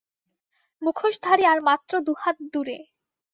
মুখোশধারী আর মাত্র দুহাত দূরে।